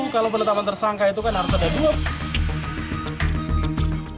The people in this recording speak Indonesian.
kalau penetapan tersangka itu kan harus ada dua